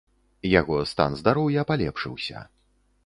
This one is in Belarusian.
Яго стан здароўя палепшыўся.